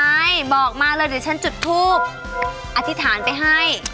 ใช่บอกมาเลยเดี๋ยวฉันจุดทูบอธิษฐานไปให้